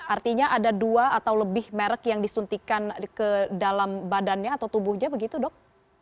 artinya ada dua atau lebih merek yang disuntikan ke dalam badannya atau tubuhnya begitu dok